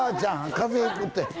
風邪ひくて！